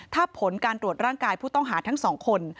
ถ้าผลการตรวจร่างกายผู้ต้องหาทั้งสองคน